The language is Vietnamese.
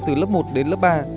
từ lớp một đến lớp ba